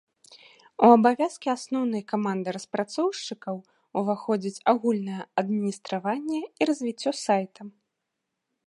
У абавязкі асноўнай каманды распрацоўшчыкаў уваходзіць агульнае адміністраванне і развіццё сайта.